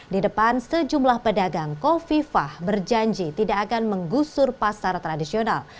di depan sejumlah pedagang kofifah berjanji tidak akan menggusur pasar tradisional